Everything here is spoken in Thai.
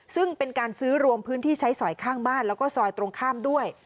ซึ่งเป็นการซื้อรวมพื้นที่ใช้สอยข้างบ้านแล้วก็ซอยตรงข้ามด้วย